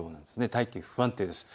大気が不安定です。